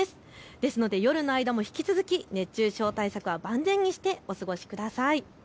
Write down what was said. ですので夜の間も引き続き熱中症対策は万全にしてお過ごしください。